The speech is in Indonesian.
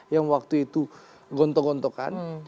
yang waktu itu gontok gontokan